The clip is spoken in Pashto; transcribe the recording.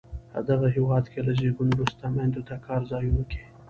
دغه هېواد کې له زیږون وروسته میندو ته کار ځایونو کې